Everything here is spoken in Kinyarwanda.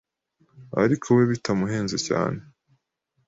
ariko we bitamuhenze cyane